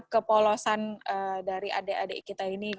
kepolosan dari adik adik kita ini